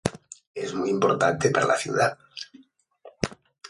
Es muy importante para la ciudad.